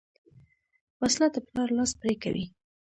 وسله د پلار لاس پرې کوي